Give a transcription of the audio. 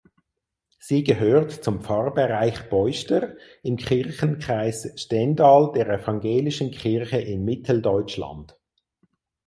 Sie gehört zum Pfarrbereich Beuster im Kirchenkreis Stendal der Evangelischen Kirche in Mitteldeutschland.